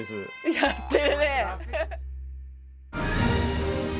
やってるね！